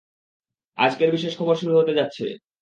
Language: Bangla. আজকের বিশেষ খবর শুরু হতে যাচ্ছে।